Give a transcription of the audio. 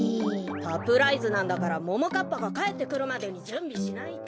サプライズなんだからももかっぱがかえってくるまでにじゅんびしないと。